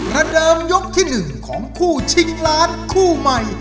ระเดิมยกที่๑ของคู่ชิงล้านคู่ใหม่